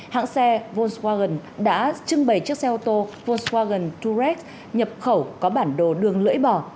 hãng xe volkswagen đã trưng bày chiếc xe ô tô volkswagen tour nhập khẩu có bản đồ đường lưỡi bò